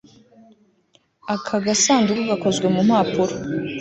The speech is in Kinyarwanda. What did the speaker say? Aka gasanduku gakozwe mu mpapuro